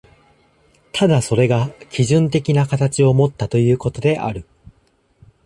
ただそれが基準的な形をもったということである。